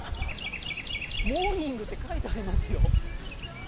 「モーニング」って書いてありますよ？